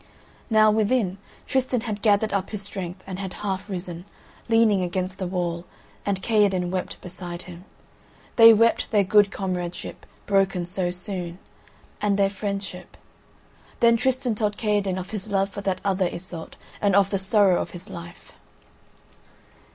Now, within, Tristan had gathered up his strength, and had half risen, leaning against the wall, and Kaherdin wept beside him. They wept their good comradeship, broken so soon, and their friendship: then Tristan told Kaherdin of his love for that other Iseult, and of the sorrow of his life.